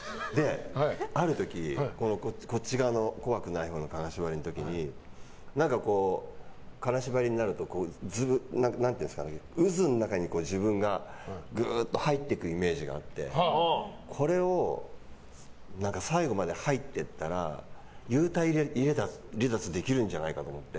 ある時、こっち側の怖くないほうの金縛りの時に何か、金縛りになると渦の中に自分がグーッと入っていくイメージがあってこれを最後まで入っていったら幽体離脱できるんじゃないかなと思って。